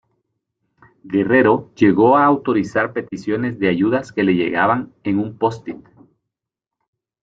Guerrero llegó a autorizar peticiones de ayudas que le llegaban en un post-it.